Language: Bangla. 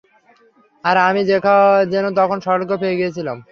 আর আমি যেন তখন স্বর্গ পেয়ে গিয়েছিলাম।